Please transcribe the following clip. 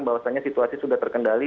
bahwasannya situasi sudah terkendali